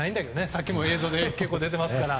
さっきも映像で結構出ていますから。